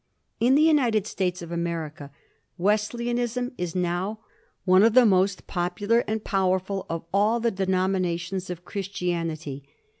In the United States of America Wesley anism is now one of the most popular and powerful of all the denominations of Christianity.